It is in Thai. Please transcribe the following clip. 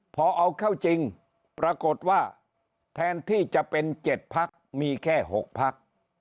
พอเอาเข้าจริงปรากฏว่าแทนที่จะเป็น๗พักมีแค่๖พัก